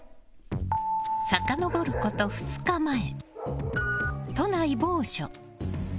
さかのぼること２日前都内某所。